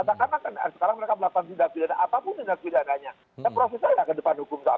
ya ke depan hukum sama